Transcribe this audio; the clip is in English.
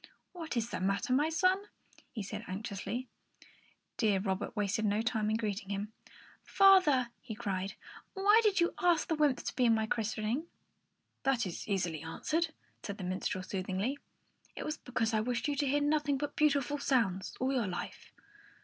"What is the matter, my son?" he asked anxiously. Deaf Robert wasted no time in greeting him. "Father," he cried, "why did you ask the wymps to my christening?" "That is easily answered," said the minstrel, soothingly. "It was because I wished you to hear nothing but beautiful sounds all your life."